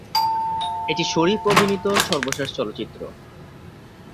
এটি শরিফ অভিনীত সর্বশেষ চলচ্চিত্র।